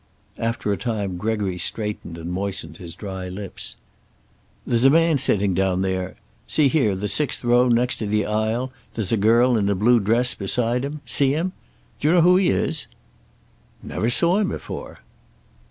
After a time Gregory straightened and moistened his dry lips. "There's a man sitting down there see here, the sixth row, next the aisle; there's a girl in a blue dress beside him. See him? Do you know who he is?" "Never saw him before."